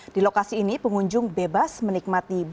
di lokasi ini pengunjung bebas menikmati